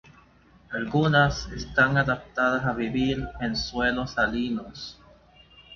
Algunas están adaptadas a vivir en suelo salinos.